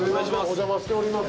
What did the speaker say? お邪魔しております。